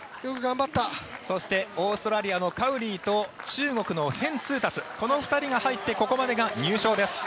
そしてオーストラリアのカウリーと中国のヘン・ツウタツこの２人が入ってここまでが入賞です。